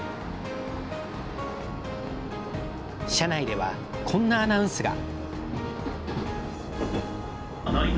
車内では、こんなアナウンスが。